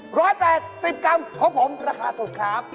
๑๘๐กรัมของผมราคาถูกครับ